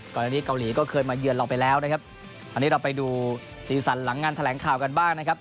ก่อนอันนี้เกาหลีก็เคยมาเยือนเราไปแล้วนะครับอันนี้เราไปดูสีสันหลังงานแถลงข่าวกันบ้างนะครับ